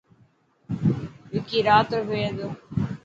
وڪي رات رو پهڙي تو.